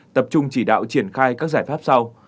tập trung chỉ đạo triển khai các giải pháp sau